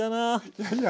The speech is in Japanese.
いやいや。